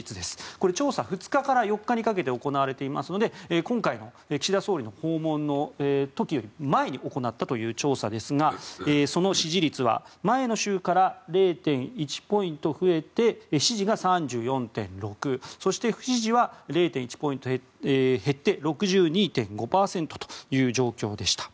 これ、調査は２日から４日にかけて行われていますので今回の岸田総理の訪問の時より前に行った調査ですがその支持率は前の週から０．１ポイント増えて支持が３４．６％そして、不支持は０．１ポイント減って６２．５％という状況でした。